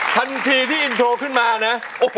ทันทีที่อินโทรขึ้นมานะ